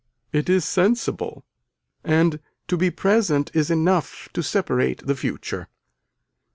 It is sensible and to be present is enough to separate the future.